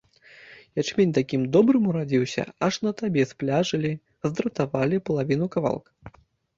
Ячмень такім добрым урадзіўся, аж на табе спляжылі, здратавалі палавіну кавалка.